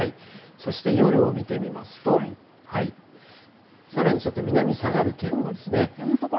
そして夜を見てみますと、さらにちょっと南に下がる傾向ですね。